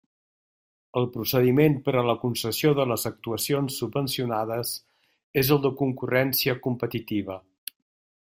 El procediment per a la concessió de les actuacions subvencionades és el de concurrència competitiva.